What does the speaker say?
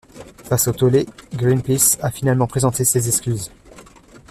Face au tollé, Greenpeace a finalement présenté ses excuses.